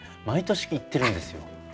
毎年言ってるんですよ。